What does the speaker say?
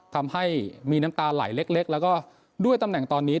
ทำให้มีน้ำตาไหลเล็กแล้วก็ด้วยตำแหน่งตอนนี้